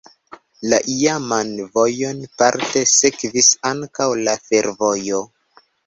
La iaman vojon parte sekvis ankaŭ la fervojo.